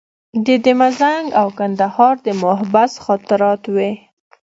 د ده مزنګ او کندهار د محبس خاطرات وې.